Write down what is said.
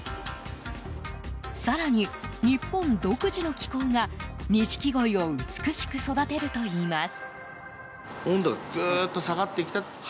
更に、日本独自の気候が錦鯉を美しく育てるといいます。